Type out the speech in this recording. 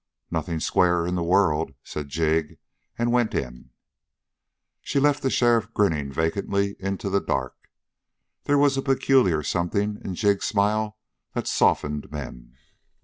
"Nothing squarer in the world," said Jig and went in. She left the sheriff grinning vacantly into the dark. There was a peculiar something in Jig's smile that softened men.